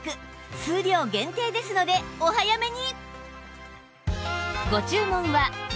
数量限定ですのでお早めに！